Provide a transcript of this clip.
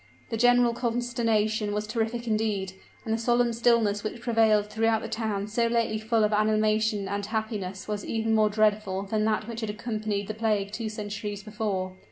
The general consternation was terrific indeed; and the solemn stillness which prevailed throughout the town so lately full of animation and happiness was even more dreadful than that which had accompanied the plague two centuries before.